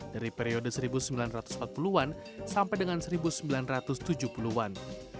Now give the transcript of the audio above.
dari periode seribu sembilan ratus empat puluh an sampai dengan seribu sembilan ratus tujuh puluh an